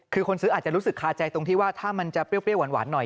คือคนซื้ออาจจะรู้สึกคาใจตรงที่ว่าถ้ามันจะเปรี้ยวหวานหน่อย